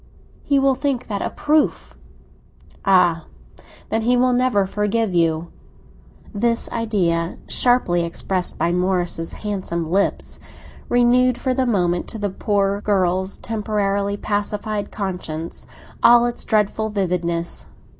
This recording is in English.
He will think that a proof." "Ah, then, he will never forgive you!" This idea, sharply expressed by Morris's handsome lips, renewed for a moment, to the poor girl's temporarily pacified conscience, all its dreadful vividness.